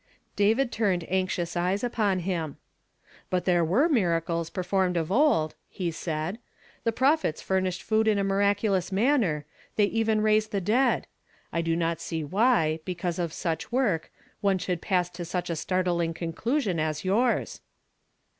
David turned anxious eyes u})(»n him. "But there were miracles performed of old," lie said. " 'J'he prophets fui iiished food in a miiac ulous manner; they even raised the dead. I do not see why, because of such work, one should pass to such a startling conclusion as youi s."